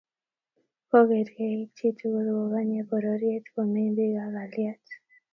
ko kerkeit chi tugul ko Kanye pororiet komeny bik ak kalyet